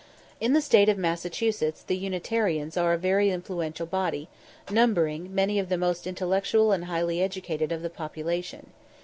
In the State of Massachusetts the Unitarians are a very influential body, numbering many of the most intellectual and highly educated of the population.